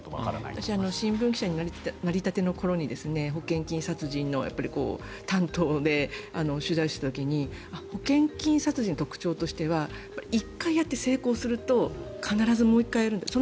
私新聞記者になりたての頃に保険金殺人の担当で取材をしていた時に保険金殺人の特徴としては１回やって成功すると必ずもう１回やると。